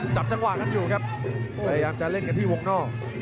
จับจังหวะนั้นอยู่ครับพยายามจะเล่นกันที่วงนอก